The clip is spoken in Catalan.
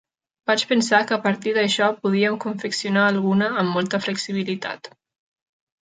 Vaig pensar que a partir d'això podíem confeccionar alguna amb molta flexibilitat.